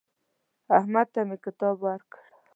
احمد ته مې کتاب ورکړ.